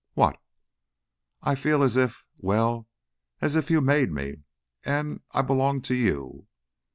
"What?" "I feel as if well, as if you'd made me and I belonged to you."